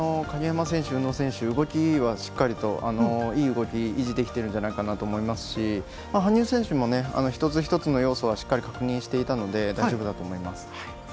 鍵山選手、宇野選手動きはしっかりといい動きを維持できているんじゃないかと思いますし羽生選手も一つ一つの要素はしっかり確認していたので大丈夫だと思います。